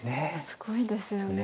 すごいですよね。